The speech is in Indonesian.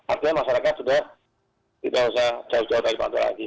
artinya masyarakat sudah tidak usah jauh jauh lagi